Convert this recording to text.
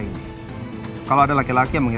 ini bunga yang saya beli